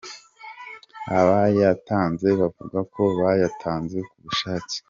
Abayatanze bavuga ko bayatanze ku bushake.